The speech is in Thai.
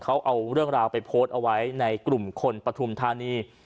เขาเอาเรื่องราวไปโพสต์เอาไว้ในกลุ่มคนปฐุมธานี